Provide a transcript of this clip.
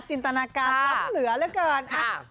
จินตนาการรับเหลือละกัน